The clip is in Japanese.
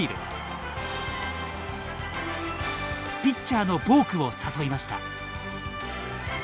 ピッチャーのボークを誘いました。